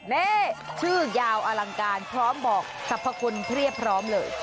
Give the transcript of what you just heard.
นี่ชื่อยาวอลังการพร้อมบอกสรรพคุณเพรียบพร้อมเลย